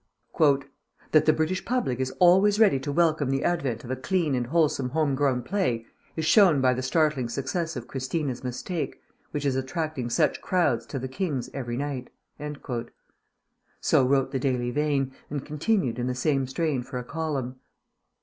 ..... "That the British public is always ready to welcome the advent of a clean and wholesome home grown play is shown by the startling success of Christina's Mistake, which is attracting such crowds to The King's every night." So wrote The Daily Vane, and continued in the same strain for a column.